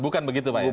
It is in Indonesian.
bukan begitu pak